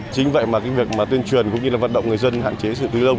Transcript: chính vậy mà cái việc tuyên truyền cũng như là vận động người dân hạn chế sử dụng túi linh lông